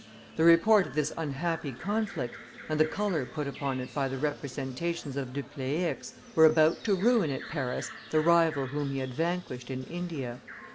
The report of this unhappy conflict, and the color put upon it by the representations of Dupleix, were about to ruin at Paris the rival whom he had vanquished in India.